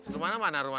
rum mana mana rumah